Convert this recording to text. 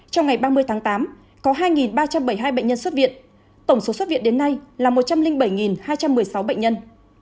trong ngày ba mươi tháng tám có hai ba trăm bảy mươi hai bệnh nhân xuất viện tổng số xuất viện đến nay là một trăm linh bảy hai trăm một mươi sáu bệnh nhân